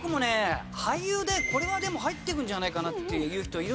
俳優でこれは入ってくるんじゃないかなっていう人いるんですよね。